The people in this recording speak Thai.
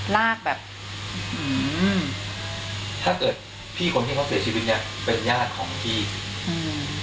ลากแบบอืมถ้าเกิดพี่คนที่เขาเสียชีวิตเนี้ยเป็นญาติของพี่อืม